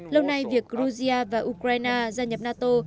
lâu nay việc georgia và ukraine gia nhập nato